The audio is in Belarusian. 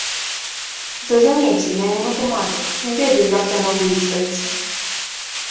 Зразумейце, я не матэматык, не ведаю, як яно вылічваецца.